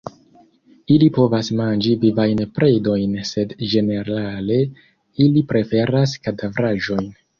Ili povas manĝi vivajn predojn sed ĝenerale ili preferas kadavraĵojn.